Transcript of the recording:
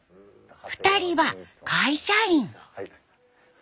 ２人は会社員。